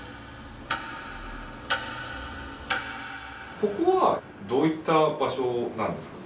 ここはどういった場所なんですか？